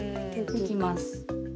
できます。